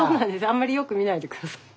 あんまりよく見ないで下さい。